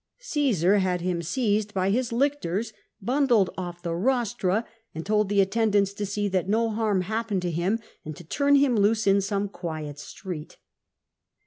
Omsar had him seized by his lictors, bundled him off the rostra, and told the attendants to see that no harm happened to him, and to turn him loose in some quiet street.